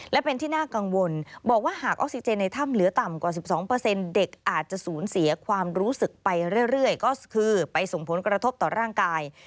และเป็นที่น่ากังวลบอกว่าหากออกซิเจนในถ้ำเหลือต่ำกว่า๑๒เด็กอาจจะสูญเสียความรู้สึกไปเรื่อยก็คือไปส่งผลกระทบต่อร่างกาย